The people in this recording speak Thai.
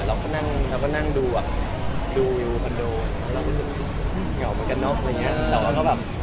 เราก็นั่งดูวิวคันโดเรารู้สึกเหงาเหมือนกันเนอะ